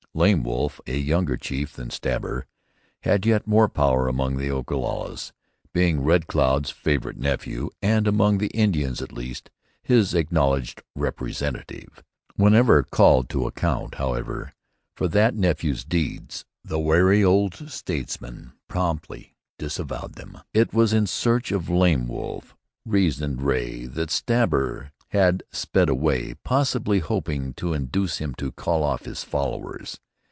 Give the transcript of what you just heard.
Lame Wolf, a younger chief than Stabber, had yet more power among the Ogalallas, being Red Cloud's favorite nephew, and among the Indians at least, his acknowledged representative. Whenever called to account, however, for that nephew's deeds, the wary old statesman promptly disavowed them. It was in search of Lame Wolf, reasoned Ray, that Stabber had sped away, possibly hoping to induce him to call off his followers.